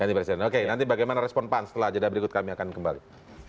ganti presiden oke nanti bagaimana respon pan setelah jeda berikut kami akan kembali